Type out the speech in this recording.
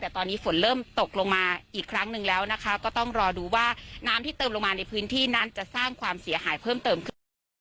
แต่ตอนนี้ฝนเริ่มตกลงมาอีกครั้งหนึ่งแล้วนะคะก็ต้องรอดูว่าน้ำที่เติมลงมาในพื้นที่นั้นจะสร้างความเสียหายเพิ่มเติมขึ้นค่ะ